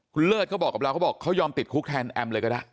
คุณเลิศเขาบอกกับเราเขาบอกเขายอมติดคุกแทนแอมเลยก็ได้